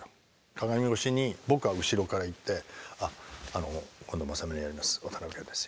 鏡越しに僕は後ろから行って「あの今度政宗をやります渡辺謙です。